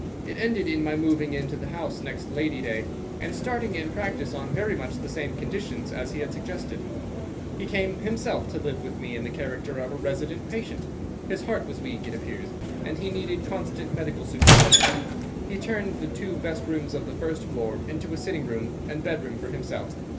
It ended in my moving into the house next Lady Day, and starting in practice on very much the same conditions as he had suggested. He came himself to live with me in the character of a resident patient. His heart was weak, it appears, and he needed constant medical supervision. He turned the two best rooms of the first floor into a sitting room and bedroom for himself.